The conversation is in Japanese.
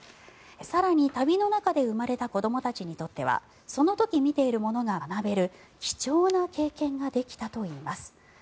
更に、旅の中で生まれた子どもたちにとってはその時見ているものが学べる貴重な経験ができたといいます。